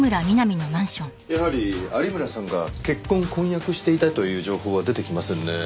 やはり有村さんが結婚婚約していたという情報は出てきませんね。